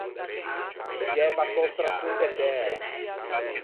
Doviæ passâ o strasson pe tæra.